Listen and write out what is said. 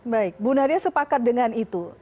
baik bu nadia sepakat dengan itu